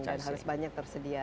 dan harus banyak tersedia ya